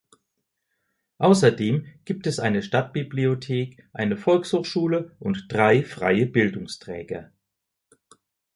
Außerdem gibt es eine Stadtbibliothek, eine Volkshochschule und drei freie Bildungsträger.